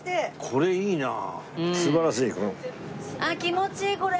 あっ気持ちいいこれ。